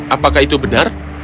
apakah itu benar